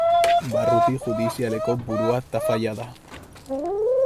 Barruti judizialeko burua Tafalla da.